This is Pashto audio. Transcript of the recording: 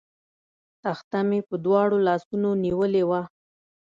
تخته مې په دواړو لاسونو نیولې وه.